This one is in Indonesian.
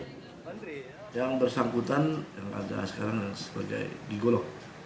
yang bersangkutan yang ada sekarang sebagai digolok